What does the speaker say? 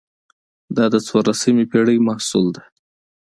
دا د څوارلسمې پېړۍ محصول ده.